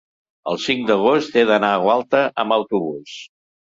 el cinc d'agost he d'anar a Gualta amb autobús.